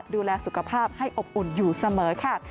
ดูแลสุขภาพให้อบอุ่นอยู่เสมอค่ะ